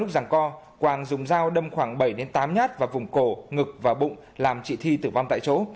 do quảng dùng dao đâm khoảng bảy tám nhát vào vùng cổ ngực và bụng làm chị thi tử vong tại chỗ